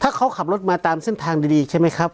ถ้าเขาขับรถมาตามเส้นทางดีใช่ไหมครับ